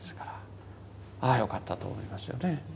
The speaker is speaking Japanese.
ああよかったと思いますよね。